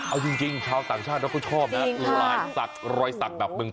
เอาจริงชาวต่างชาติเขาชอบนะ